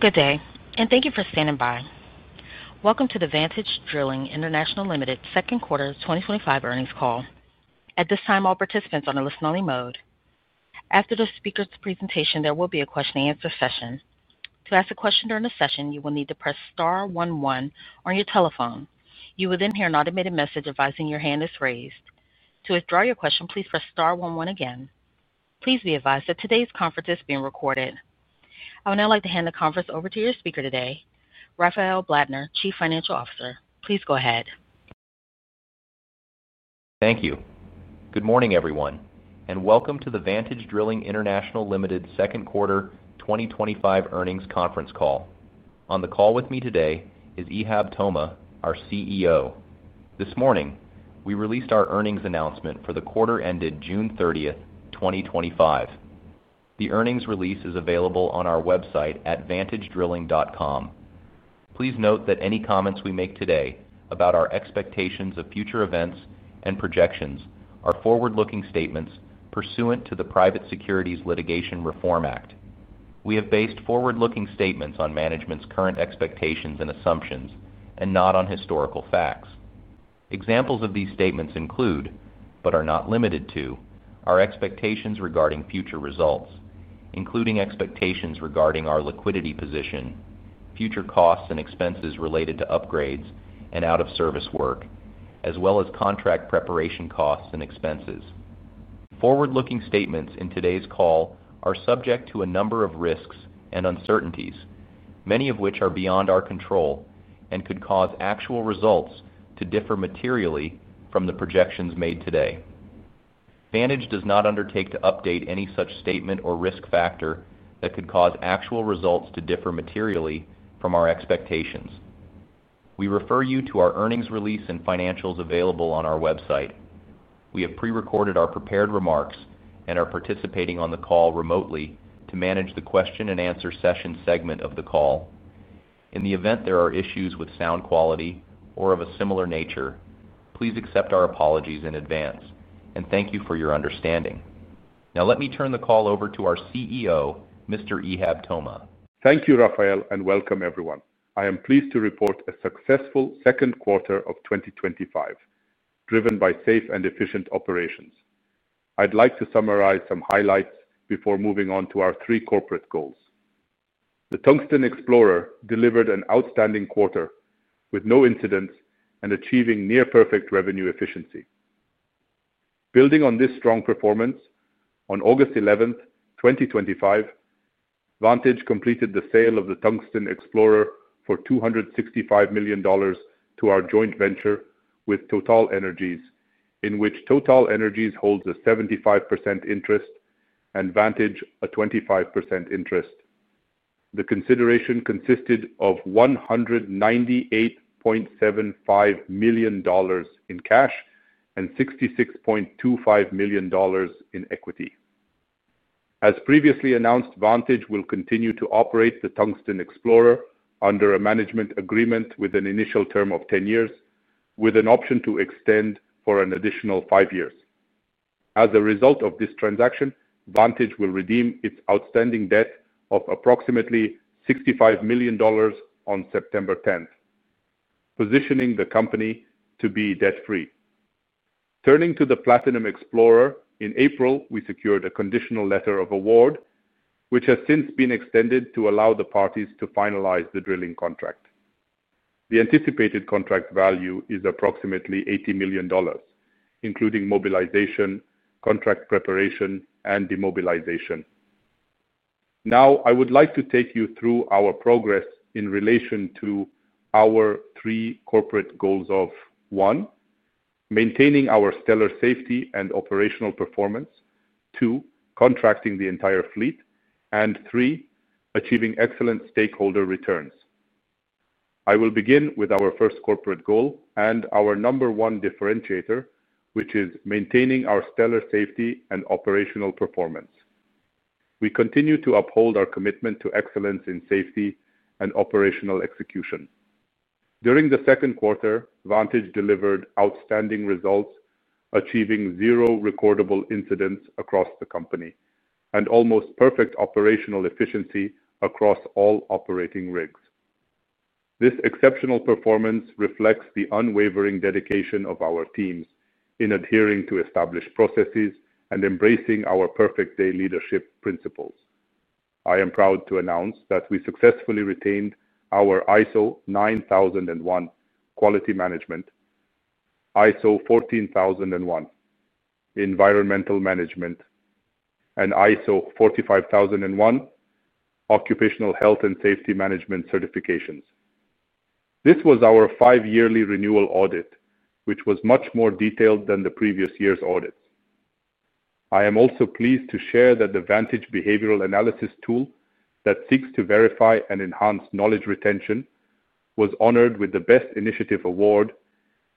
Good day, and thank you for standing by. Welcome to the Vantage Drilling International Ltd. Second Quarter 2025 Earnings Call. At this time, all participants are on a listen-only mode. After the speaker's presentation, there will be a question-and-answer session. To ask a question during the session, you will need to press star one one on your telephone. You will then hear an automated message advising your hand is raised. To withdraw your question, please press star one one again. Please be advised that today's conference is being recorded. I would now like to hand the conference over to your speaker today, Rafael Blattner, Chief Financial Officer. Please go ahead. Thank you. Good morning, everyone, and welcome to the Vantage Drilling International Ltd. Second Quarter 2025 Earnings Conference Call. On the call with me today is Ihab Toma, our CEO. This morning, we released our earnings announcement for the quarter ended June 30, 2025. The earnings release is available on our website at vantagedrilling.com. Please note that any comments we make today about our expectations of future events and projections are forward-looking statements pursuant to the Private Securities Litigation Reform Act. We have based forward-looking statements on management's current expectations and assumptions, and not on historical facts. Examples of these statements include, but are not limited to, our expectations regarding future results, including expectations regarding our liquidity position, future costs and expenses related to upgrades and out-of-service work, as well as contract preparation costs and expenses. Forward-looking statements in today's call are subject to a number of risks and uncertainties, many of which are beyond our control and could cause actual results to differ materially from the projections made today. Vantage does not undertake to update any such statement or risk factor that could cause actual results to differ materially from our expectations. We refer you to our earnings release and financials available on our website. We have pre-recorded our prepared remarks and are participating on the call remotely to manage the question-and-answer session segment of the call. In the event there are issues with sound quality or of a similar nature, please accept our apologies in advance, and thank you for your understanding. Now, let me turn the call over to our CEO, Mr. Ihab Toma. Thank you, Rafael, and welcome, everyone. I am pleased to report a successful second quarter of 2025, driven by safe and efficient operations. I'd like to summarize some highlights before moving on to our three corporate goals. The Tungsten Explorer delivered an outstanding quarter with no incidents and achieving near-perfect revenue efficiency. Building on this strong performance, on August 11, 2025, Vantage completed the sale of the Tungsten Explorer for $265 million to our joint venture with TotalEnergies, in which TotalEnergies holds a 75% interest and Vantage a 25% interest. The consideration consisted of $198.75 million in cash and $66.25 million in equity. As previously announced, Vantage will continue to operate the Tungsten Explorer under a management agreement with an initial term of 10 years, with an option to extend for an additional 5 years. As a result of this transaction, Vantage will redeem its outstanding debt of approximately $65 million on September 10, positioning the company to be debt-free. Turning to the Platinum Explorer, in April, we secured a conditional letter of award, which has since been extended to allow the parties to finalize the drilling contract. The anticipated contract value is approximately $80 million, including mobilization, contract preparation, and demobilization. Now, I would like to take you through our progress in relation to our three corporate goals of: one, maintaining our stellar safety and operational performance; two, contracting the entire fleet; and three, achieving excellent stakeholder returns. I will begin with our first corporate goal and our number one differentiator, which is maintaining our stellar safety and operational performance. We continue to uphold our commitment to excellence in safety and operational execution. During the second quarter, Vantage delivered outstanding results, achieving zero recordable incidents across the company and almost perfect operational efficiency across all operating rigs. This exceptional performance reflects the unwavering dedication of our teams in adhering to established processes and embracing our perfect day leadership principles. I am proud to announce that we successfully retained our ISO 9001 Quality Management, ISO 14001 Environmental Management, and ISO 45001 Occupational Health and Safety Management certifications. This was our five-yearly renewal audit, which was much more detailed than the previous year's audit. I am also pleased to share that the Vantage Behavioral Analysis Tool that seeks to verify and enhance knowledge retention was honored with the Best Initiative Award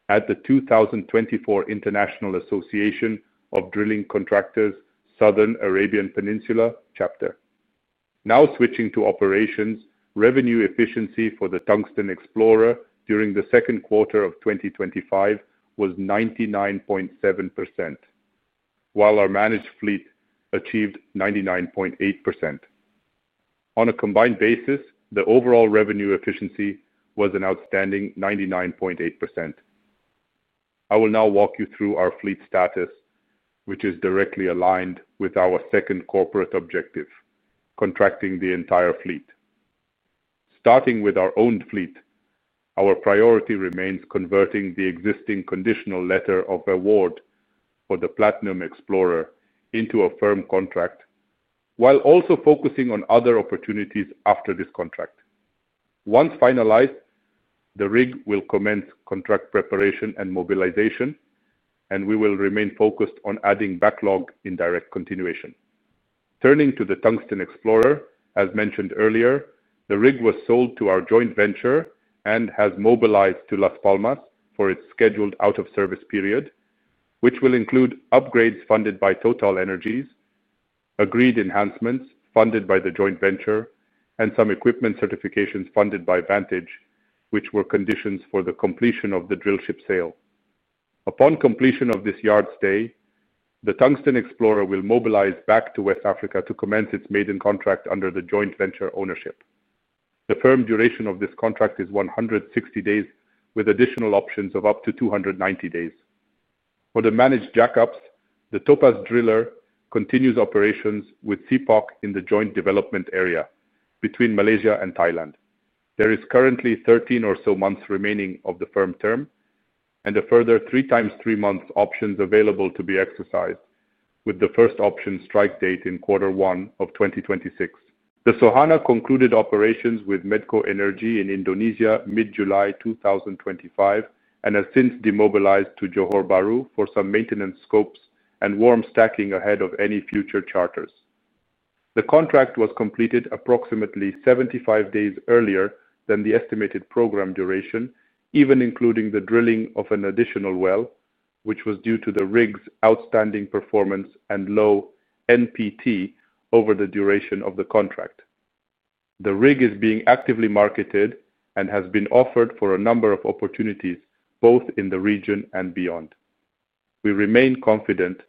at the 2024 International Association of Drilling Contractors, Southern Arabian Peninsula Chapter. Now switching to operations, revenue efficiency for the Tungsten Explorer during the second quarter of 2025 was 99.7%, while our managed fleet achieved 99.8%. On a combined basis, the overall revenue efficiency was an outstanding 99.8%. I will now walk you through our fleet status, which is directly aligned with our second corporate objective: contracting the entire fleet. Starting with our owned fleet, our priority remains converting the existing conditional letter of award for the Platinum Explorer into a firm contract, while also focusing on other opportunities after this contract. Once finalized, the rig will commence contract preparation and mobilization, and we will remain focused on adding backlog in direct continuation. Turning to the Tungsten Explorer, as mentioned earlier, the rig was sold to our joint venture and has mobilized to Las Palmas for its scheduled out-of-service period, which will include upgrades funded by TotalEnergies, agreed enhancements funded by the joint venture, and some equipment certifications funded by Vantage, which were conditions for the completion of the drillship sale. Upon completion of this yard stay, the Tungsten Explorer will mobilize back to West Africa to commence its maiden contract under the joint venture ownership. The firm duration of this contract is 160 days, with additional options of up to 290 days. For the managed jackups, the Topaz Driller continues operations with CPOC in the joint development area between Malaysia and Thailand. There are currently 13 or so months remaining of the firm term, and a further 3x3 months options available to be exercised, with the first option strike date in quarter one of 2026. The Sohana concluded operations with MedcoEnergi in Indonesia mid-July 2025 and has since demobilized to Johor Bahru for some maintenance scopes and warm stacking ahead of any future charters. The contract was completed approximately 75 days earlier than the estimated program duration, even including the drilling of an additional well, which was due to the rig's outstanding performance and low NPT over the duration of the contract. The rig is being actively marketed and has been offered for a number of opportunities, both in the region and beyond. We remain confident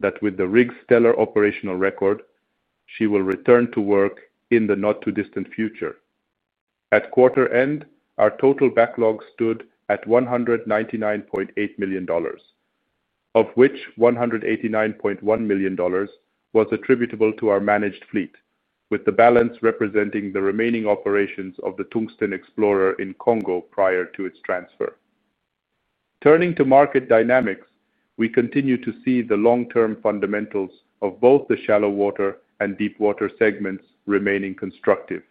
that with the rig's stellar operational record, she will return to work in the not-too-distant future. At quarter end, our total backlog stood at $199.8 million, of which $189.1 million was attributable to our managed fleet, with the balance representing the remaining operations of the Tungsten Explorer in Congo prior to its transfer. Turning to market dynamics, we continue to see the long-term fundamentals of both the shallow water and deepwater segments remaining constructive,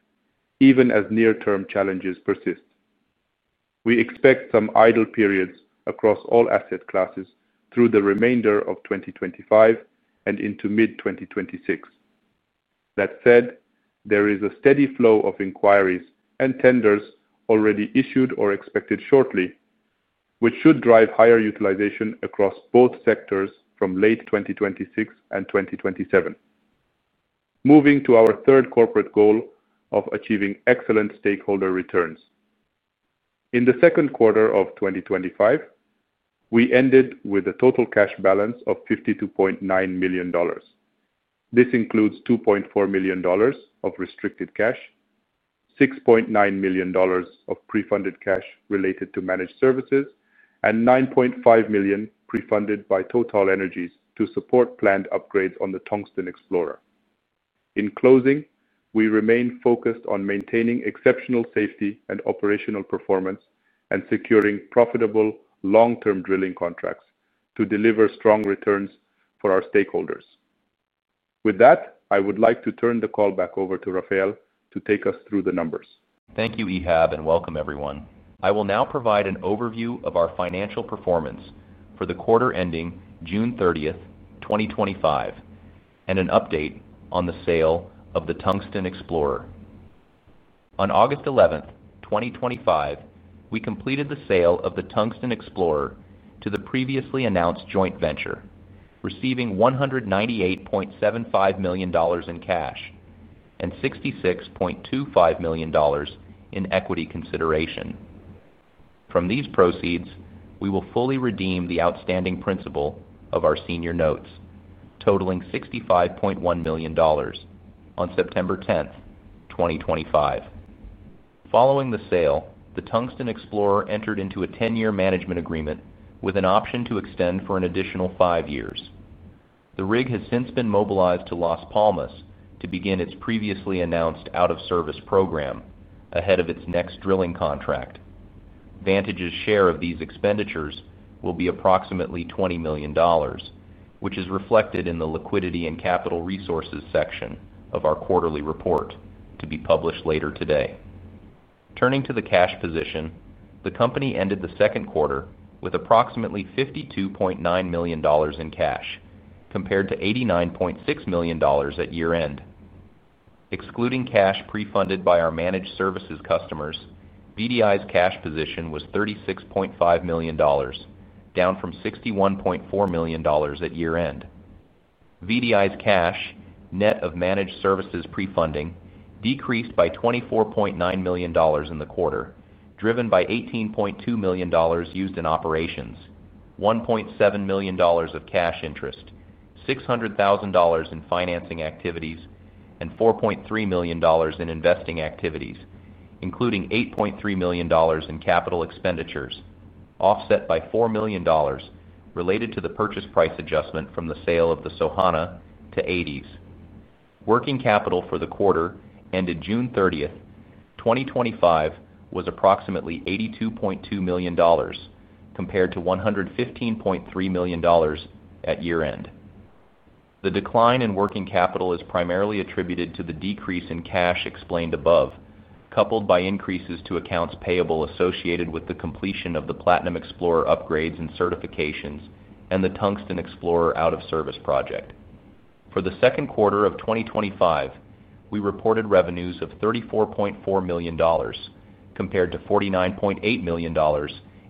even as near-term challenges persist. We expect some idle periods across all asset classes through the remainder of 2025 and into mid-2026. That said, there is a steady flow of inquiries and tenders already issued or expected shortly, which should drive higher utilization across both sectors from late 2026 and 2027. Moving to our third corporate goal of achieving excellent stakeholder returns. In the second quarter of 2025, we ended with a total cash balance of $52.9 million. This includes $2.4 million of restricted cash, $6.9 million of pre-funded cash related to managed services, and $9.5 million pre-funded by TotalEnergies to support planned upgrades on the Tungsten Explorer. In closing, we remain focused on maintaining exceptional safety and operational performance and securing profitable long-term drilling contracts to deliver strong returns for our stakeholders. With that, I would like to turn the call back over to Rafael to take us through the numbers. Thank you, Ihab, and welcome, everyone. I will now provide an overview of our financial performance for the quarter ending June 30, 2025, and an update on the sale of the Tungsten Explorer. On August 11, 2025, we completed the sale of the Tungsten Explorer to the previously announced joint venture, receiving $198.75 million in cash and $66.25 million in equity consideration. From these proceeds, we will fully redeem the outstanding principal of our senior notes, totaling $65.1 million on September 10, 2025. Following the sale, the Tungsten Explorer entered into a 10-year management agreement with an option to extend for an additional five years. The rig has since been mobilized to Las Palmas to begin its previously announced out-of-service program ahead of its next drilling contract. Vantage's share of these expenditures will be approximately $20 million, which is reflected in the Liquidity and Capital Resources section of our quarterly report, to be published later today. Turning to the cash position, the company ended the second quarter with approximately $52.9 million in cash, compared to $89.6 million at year-end. Excluding cash pre-funded by our managed services customers, VDI's cash position was $36.5 million, down from $61.4 million at year-end. VDI's cash, net of managed services pre-funding, decreased by $24.9 million in the quarter, driven by $18.2 million used in operations, $1.7 million of cash interest, $600,000 in financing activities, and $4.3 million in investing activities, including $8.3 million in capital expenditures, offset by $4 million related to the purchase price adjustment from the sale of the Sohana to Aedes. Working capital for the quarter ended June 30, 2025 was approximately $82.2 million, compared to $115.3 million at year-end. The decline in working capital is primarily attributed to the decrease in cash explained above, coupled by increases to accounts payable associated with the completion of the Platinum Explorer upgrades and certifications and the Tungsten Explorer out-of-service project. For the second quarter of 2025, we reported revenues of $34.4 million, compared to $49.8 million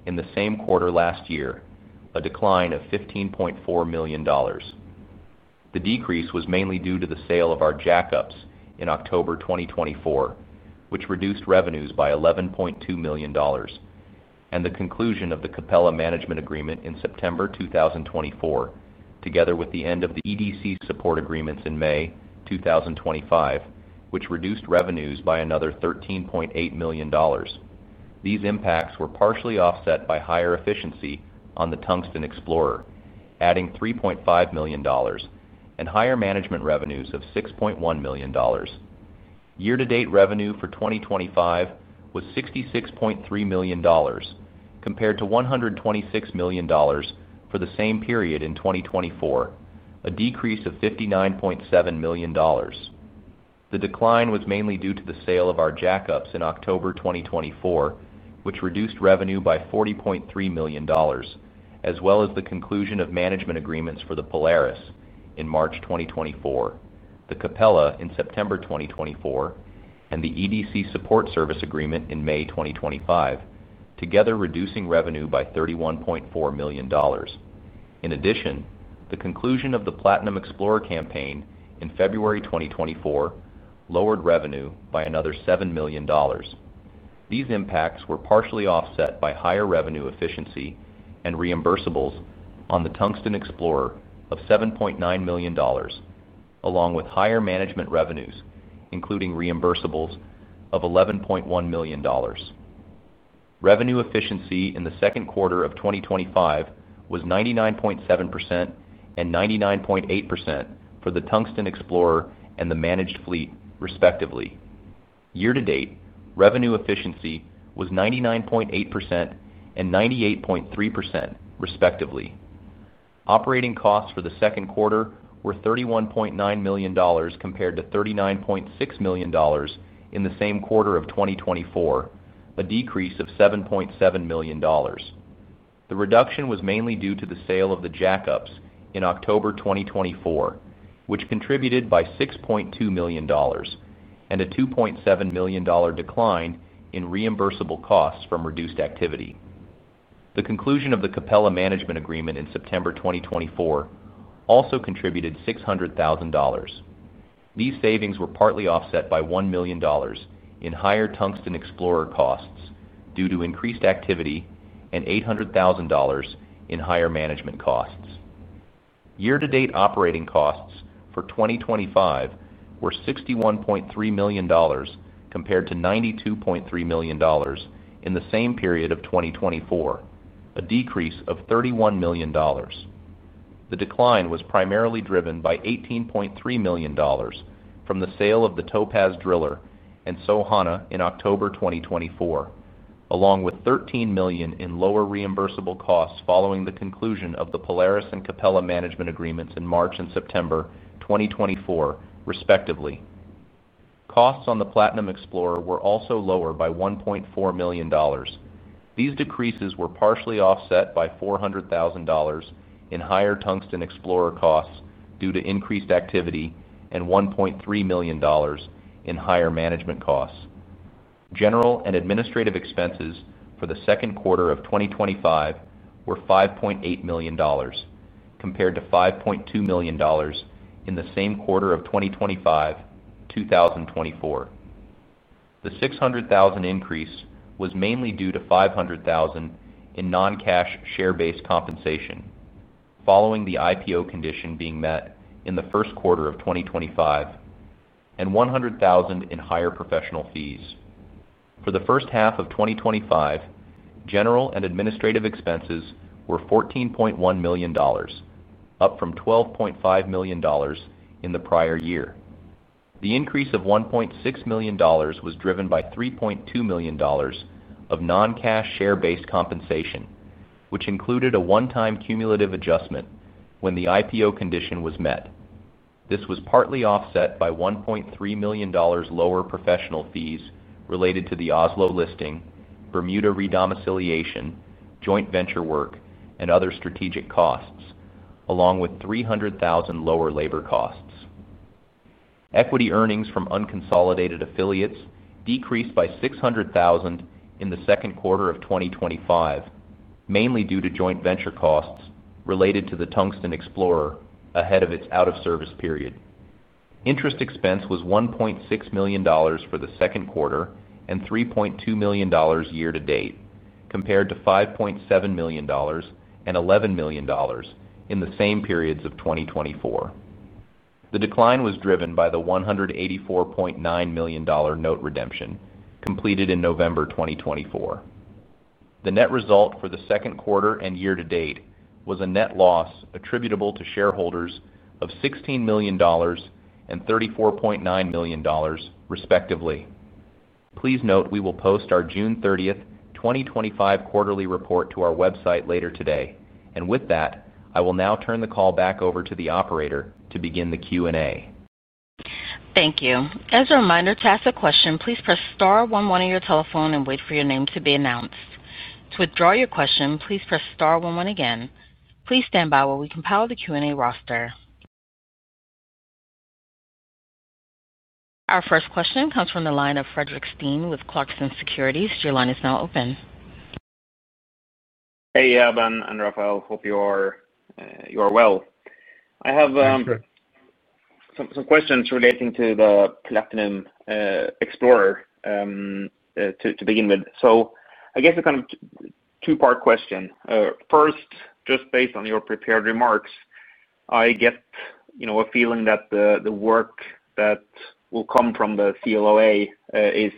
in the same quarter last year, a decline of $15.4 million. The decrease was mainly due to the sale of our jackups in October 2024, which reduced revenues by $11.2 million, and the conclusion of the Capella management agreement in September 2024, together with the end of the EDC support agreements in May 2025, which reduced revenues by another $13.8 million. These impacts were partially offset by higher efficiency on the Tungsten Explorer, adding $3.5 million, and higher management revenues of $6.1 million. Year-to-date revenue for 2025 was $66.3 million, compared to $126 million for the same period in 2024, a decrease of $59.7 million. The decline was mainly due to the sale of our jackups in October 2024, which reduced revenue by $40.3 million, as well as the conclusion of management agreements for the Polaris in March 2024, the Capella in September 2024, and the EDC support service agreement in May 2025, together reducing revenue by $31.4 million. In addition, the conclusion of the Platinum Explorer campaign in February 2024 lowered revenue by another $7 million. These impacts were partially offset by higher revenue efficiency and reimbursables on the Tungsten Explorer of $7.9 million, along with higher management revenues, including reimbursables of $11.1 million. Revenue efficiency in the second quarter of 2025 was 99.7% and 99.8% for the Tungsten Explorer and the managed fleet, respectively. Year-to-date revenue efficiency was 99.8% and 98.3%, respectively. Operating costs for the second quarter were $31.9 million compared to $39.6 million in the same quarter of 2024, a decrease of $7.7 million. The reduction was mainly due to the sale of the jackups in October 2024, which contributed by $6.2 million and a $2.7 million decline in reimbursable costs from reduced activity. The conclusion of the Capella management agreement in September 2024 also contributed $600,000. These savings were partly offset by $1 million in higher Tungsten Explorer costs due to increased activity and $800,000 in higher management costs. Year-to-date operating costs for 2025 were $61.3 million compared to $92.3 million in the same period of 2024, a decrease of $31 million. The decline was primarily driven by $18.3 million from the sale of the Topaz Driller and Sohana in October 2024, along with $13 million in lower reimbursable costs following the conclusion of the Polaris and Capella management agreements in March and September 2024, respectively. Costs on the Platinum Explorer were also lower by $1.4 million. These decreases were partially offset by $400,000 in higher Tungsten Explorer costs due to increased activity and $1.3 million in higher management costs. General and administrative expenses for the second quarter of 2025 were $5.8 million, compared to $5.2 million in the same quarter of 2024. The $600,000 increase was mainly due to $500,000 in non-cash share-based compensation following the IPO condition being met in the first quarter of 2025, and $100,000 in higher professional fees. For the first half of 2025, general and administrative expenses were $14.1 million, up from $12.5 million in the prior year. The increase of $1.6 million was driven by $3.2 million of non-cash share-based compensation, which included a one-time cumulative adjustment when the IPO condition was met. This was partly offset by $1.3 million lower professional fees related to the Oslo listing, Bermuda redomiciliation, joint venture work, and other strategic costs, along with $300,000 lower labor costs. Equity earnings from unconsolidated affiliates decreased by $600,000 in the second quarter of 2025, mainly due to joint venture costs related to the Tungsten Explorer ahead of its out-of-service period. Interest expense was $1.6 million for the second quarter and $3.2 million year-to-date, compared to $5.7 million and $11 million in the same periods of 2024. The decline was driven by the $184.9 million note redemption completed in November 2024. The net result for the second quarter and year-to-date was a net loss attributable to shareholders of $16 million and $34.9 million, respectively. Please note we will post our June 30, 2025 quarterly report to our website later today, and with that, I will now turn the call back over to the operator to begin the Q&A. Thank you. As a reminder, to ask a question, please press star one one on your telephone and wait for your name to be announced. To withdraw your question, please press star one one again. Please stand by while we compile the Q&A roster. Our first question comes from the line of Frederic Steen with Clarkson Securities. Your line is now open. Hey, Ihab and Rafael, hope you are well. I have some questions relating to the Platinum Explorer to begin with. I guess a kind of two-part question. First, just based on your prepared remarks, I get a feeling that the work that will come from the CLOA is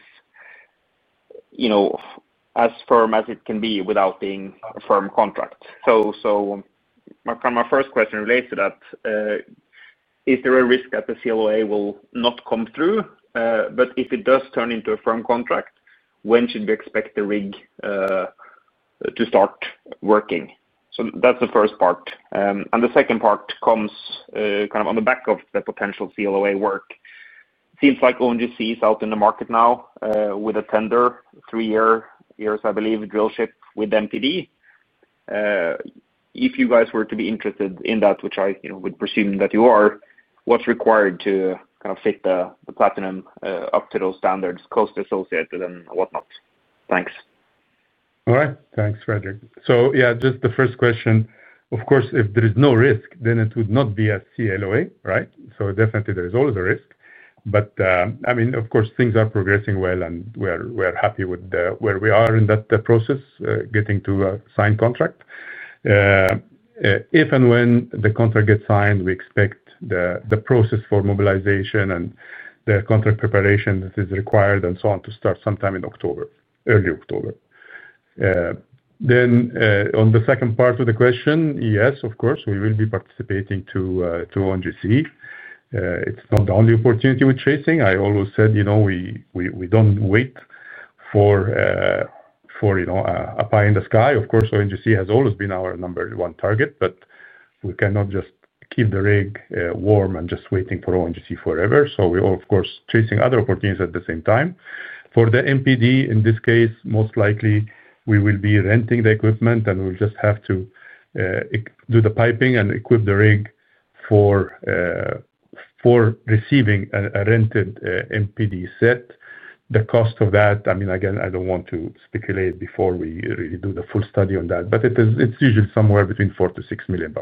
as firm as it can be without being a firm contract. My first question relates to that. Is there a risk that the CLOA will not come through? If it does turn into a firm contract, when should we expect the rig to start working? That's the first part. The second part comes kind of on the back of the potential CLOA work. It seems like ONGC is out in the market now with a tender, three years, I believe, drillship with MPD. If you guys were to be interested in that, which I would presume that you are, what's required to kind of fit the Platinum up to those standards, cost associated, and whatnot? Thanks. All right. Thanks, Frederic. Just the first question. Of course, if there is no risk, it would not be a CLOA, right? Definitely, there is always a risk. I mean, of course, things are progressing well, and we are happy with where we are in that process, getting to a signed contract. If and when the contract gets signed, we expect the process for mobilization and the contract preparation that is required and so on to start sometime in October, early October. On the second part of the question, yes, of course, we will be participating to ONGC. It's not the only opportunity we're chasing. I always said, you know, we don't wait for a pie in the sky. ONGC has always been our number one target, but we cannot just keep the rig warm and just waiting for ONGC forever. We are, of course, chasing other opportunities at the same time. For the MPD, in this case, most likely, we will be renting the equipment, and we'll just have to do the piping and equip the rig for receiving a rented MPD set. The cost of that, I mean, again, I don't want to speculate before we really do the full study on that, but it's usually somewhere between $4 million-$6 million.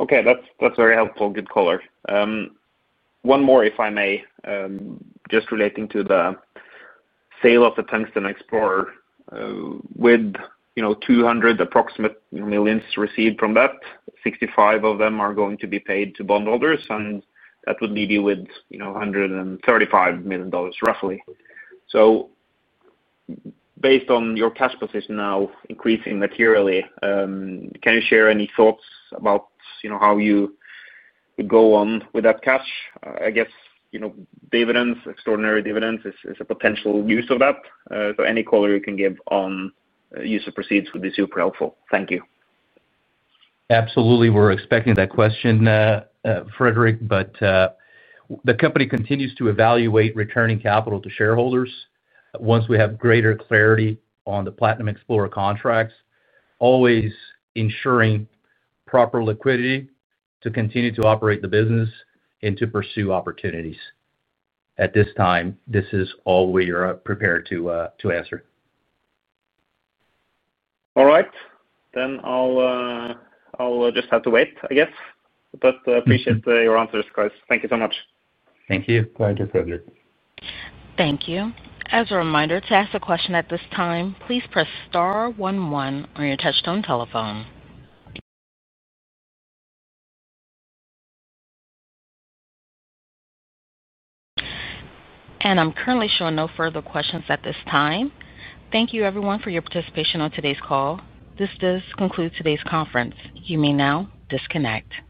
Okay. That's very helpful. Good caller. One more, if I may, just relating to the sale of the Tungsten Explorer. With approximately $200 million received from that, $65 million are going to be paid to bondholders, and that would leave you with $135 million, roughly. Based on your cash position now increasing materially, can you share any thoughts about how you go on with that cash? I guess, you know, dividends, extraordinary dividends is a potential use of that. Any call you can give on use of proceeds would be super helpful. Thank you. Absolutely. We're expecting that question, Frederic, but the company continues to evaluate returning capital to shareholders once we have greater clarity on the Platinum Explorer contracts, always ensuring proper liquidity to continue to operate the business and to pursue opportunities. At this time, this is all we are prepared to answer. All right. I guess I will just have to wait. I appreciate your answers, guys. Thank you so much. Thank you. Thank you, Frederick. Thank you. As a reminder, to ask a question at this time, please press star one one on your touch-tone telephone. I'm currently showing no further questions at this time. Thank you, everyone, for your participation on today's call. This does conclude today's conference. You may now disconnect.